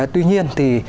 tuy nhiên thì